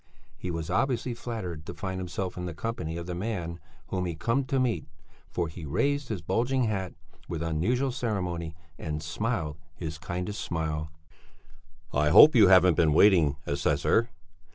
He was obviously flattered to find himself in the company of the man whom he had come to meet, for he raised his bulging hat with unusual ceremony and smiled his kindliest smile. "I hope you haven't been waiting, assessor?"